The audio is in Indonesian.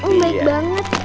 om baik banget